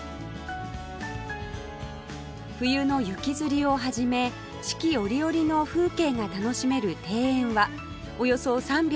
冬の雪吊りをはじめ四季折々の風景が楽しめる庭園はおよそ３５０年前５代目